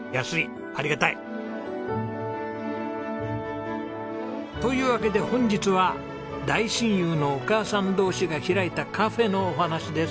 ありがたい！というわけで本日は大親友のお母さん同士が開いたカフェのお話です。